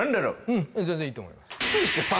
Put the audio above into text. うん全然いいと思います